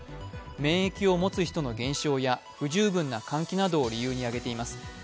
免疫を持つ人の減少や不十分な換気などを理由に挙げています。